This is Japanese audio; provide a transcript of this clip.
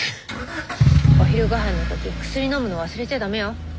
お昼ごはんの時薬のむの忘れちゃ駄目よ。